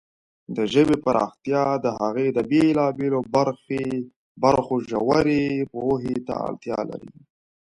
د ژبې پراختیا د هغې د بېلابېلو برخو د ژورې پوهې ته اړتیا لري.